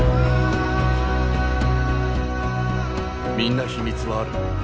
みんな秘密はある。